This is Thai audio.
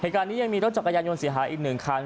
เหตุการณ์นี้ยังมีรถจักรยานยนต์เสียหายอีก๑คัน